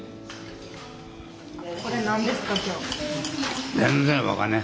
これ何ですか？